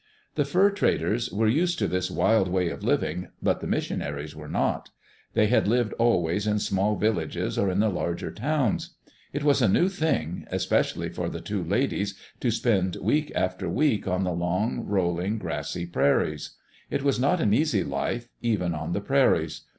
The fur traders were used to this wild way of living, but the missionaries were not. They had lived always in small villages or in the larger towns. It was a new thing, especially for the two ladies, to spend week after week Digitized by Google EARLY DAYS IN OLD OREGON on the long, rolling, grassy prairies. It was not an easy life, even on the prairies.